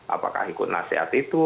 apakah ikut nasihat itu